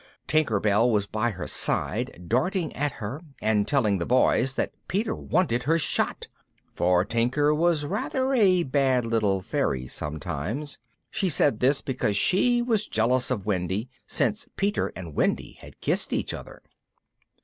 Tinker Bell was by her side, darting at her, and telling the Boys that Peter wanted her shot, for Tinker was rather a bad little fairy sometimes. She said this because she was jealous of Wendy, since Peter and Wendy had kissed each other.